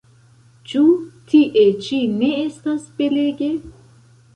Ĉu tie ĉi ne estas belege?